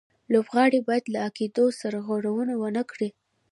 لوبغاړي باید له قاعدو سرغړونه و نه کړي.